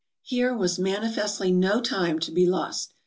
" Here was manifestly no time to be lost.